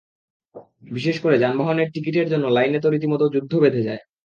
বিশেষ করে যানবাহনের টিকিটের জন্য লাইনে তো রীতিমতো যুদ্ধ বেধে যায়।